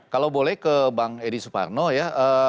kalau boleh ke bang edi suparno ya